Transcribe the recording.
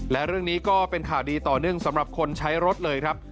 และเรื่องนี้ก็เป็นข่าวดีต่อเนื่องสำหรับคนใช้รถเลยครับ